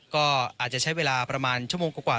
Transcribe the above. ก็อาจจะใช้เวลาประมาณชั่วโมงกว่า